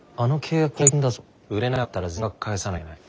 売れなかったら全額返さなきゃいけない。